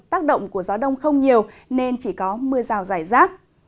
tác động của gió đông không nhiều nên chỉ có mưa rào rải rác